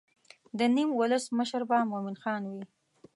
د نیم ولس مشر به مومن خان وي.